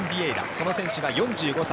この選手が４５歳。